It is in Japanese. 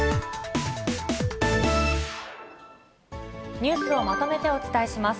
ニュースをまとめてお伝えします。